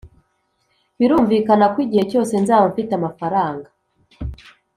"birumvikana ko igihe cyose nzaba mfite amafaranga,